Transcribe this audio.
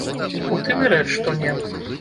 У тым і рэч, што не!